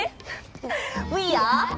ウィーアー。